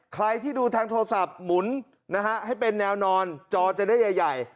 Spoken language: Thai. ใครที่ดูทางโทรศัพท์หมุนนะฮะให้เป็นแนวนอนจอจะได้ใหญ่